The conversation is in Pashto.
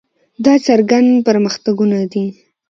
دا څرګند پرمختګونه دي.